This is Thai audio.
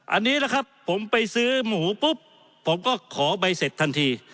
อันนี้แหละครับผมไปซื้อหมูปุ๊บผมก็ขอใบเสร็จทันที